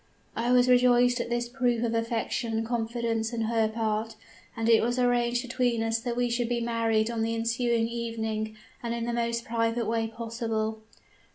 "I was rejoiced at this proof of affection and confidence on her part; and it was arranged between us that we should be married on the ensuing evening, and in the most private way possible.